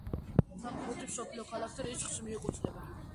ფრანკფურტი მსოფლიო ქალაქთა რიცხვს მიეკუთვნება.